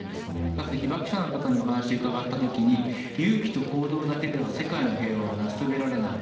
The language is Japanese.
かつて被爆者の方にお話伺ったときに、勇気と行動だけでは世界の平和は成し遂げられない。